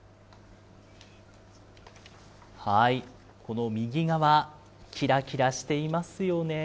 この右側、きらきらしていますよね。